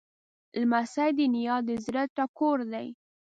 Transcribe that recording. لمسی د نیا د زړه ټکور دی.